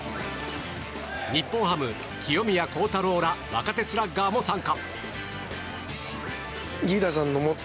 日本ハム、清宮幸太郎ら若手スラッガーも参加。